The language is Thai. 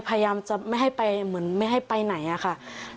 พยายามจะไม่ให้ไปเหมือนไม่ให้ไปไหนอะค่ะ